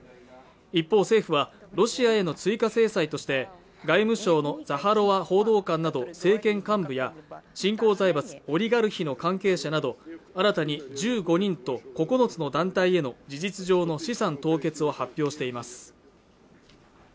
一方、政府はロシアへの追加制裁として外務省のザハロワ報道官など政権幹部や新興財閥オリガルヒの関係者など新たに１５人と９つの団体への事実上の資産凍結を発表しています